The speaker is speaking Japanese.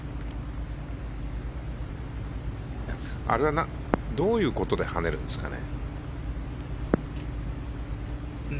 あれはどういうことで跳ねるんですかね？